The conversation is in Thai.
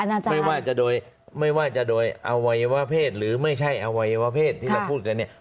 อาจารย์ไม่ว่าจะโดยไม่ว่าจะโดยอวัยวะเพศหรือไม่ใช่อวัยวะเพศที่เราพูดกันเนี่ย